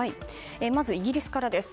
まず、イギリスからです。